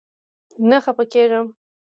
نه خپه کيږم